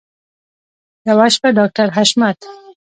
یوه شپه ډاکټر حشمت